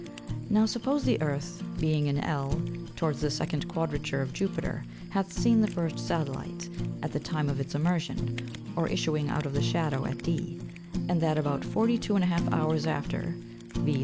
Now suppose the Earth, being in L, towards the second Quadrature of Jupiter, hath seen the first Satellit, at the time of its emersion, or issuing out of the shadow at D, and that about 42½ Hours after (_viz.